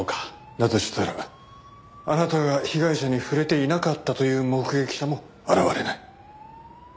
だとしたらあなたが被害者に触れていなかったという目撃者も現れない。